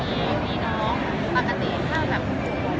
มีโครงการทุกทีใช่ไหม